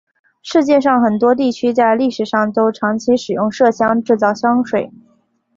世界上很多地区在历史上都长期使用麝香制造香水。